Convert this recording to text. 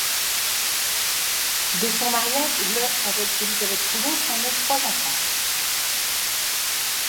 De son mariage le avec Élisabeth Coulon, sont nés trois enfants.